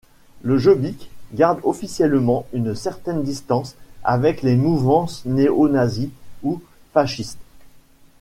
Le Jobbik garde officiellement une certaine distance avec des mouvances néo-nazies ou fascistes.